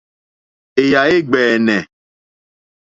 Èyà é ɡbɛ̀ɛ̀nɛ̀.